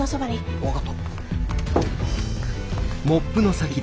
分かった。